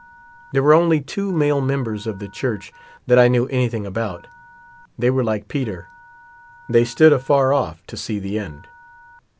There were only two male'members of the church that I knew anything about. They were like Peter; they stood afar off to see the end.